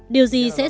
điều gì sẽ xảy ra